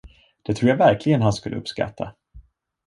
Det tror jag verkligen han skulle uppskatta!